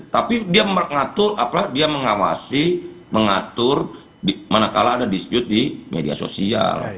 tapi dia mengatur dia mengawasi mengatur manakala ada dispute di media sosial